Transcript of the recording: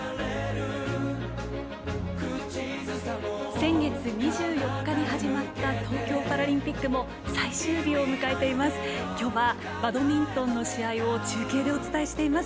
先月２４日に始まった東京パラリンピックも最終日を迎えています。